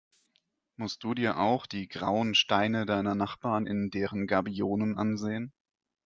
Musst du dir auch die grauen Steine deiner Nachbarn in deren Gabionen ansehen?